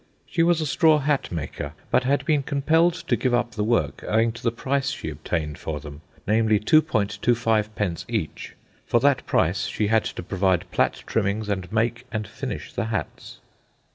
"She was a straw hat maker, but had been compelled to give up the work owing to the price she obtained for them—namely, 2.25d. each. For that price she had to provide plait trimmings and make and finish the hats."